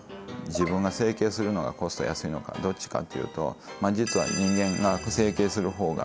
自分が整形するのがコスト安いのかどっちかっていうと実は人間が整形する方が。